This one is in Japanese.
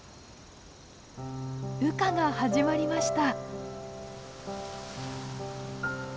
羽化が始まりました。